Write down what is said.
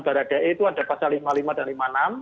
baradae itu ada pasal lima puluh lima dan lima puluh enam